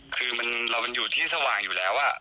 คือเรามันอยู่ที่สว่างอยู่แล้ว